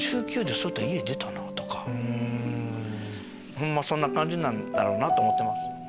ホンマそんな感じなんだろうなと思てます。